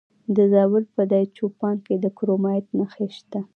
د زابل په دایچوپان کې د کرومایټ نښې شته.